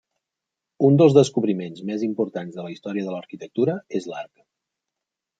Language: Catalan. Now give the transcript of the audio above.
Un dels descobriments més importants de la història de l'arquitectura és l'arc.